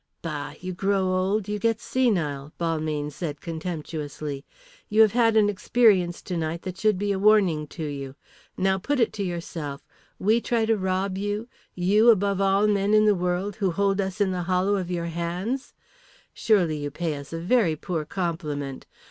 "Bah, you grow old, you get senile," Balmayne said contemptuously. "You have had an experience tonight that should be a warning to you. Now put it to yourself. We try to rob you you, above all men in the world, who hold us in the hollow of your hands. Surely you pay us a very poor compliment!